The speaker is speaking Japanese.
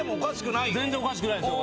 全然おかしくないですよ